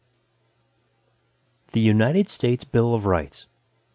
The United States Bill of Rights.